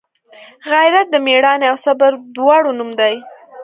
غیرت د میړانې او صبر دواړو نوم دی